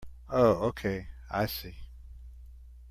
Oh okay, I see.